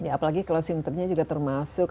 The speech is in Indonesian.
ya apalagi kalau sinternya juga termasuk